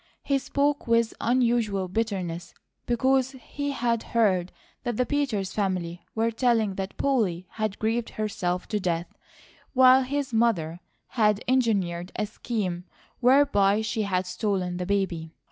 He spoke with unusual bitterness, because he had heard that the Peters family were telling that Polly had grieved herself to death, while his mother had engineered a scheme whereby she had stolen the baby.